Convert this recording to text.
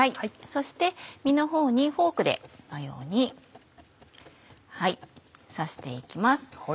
そして身のほうにフォークでこのように刺して行きます。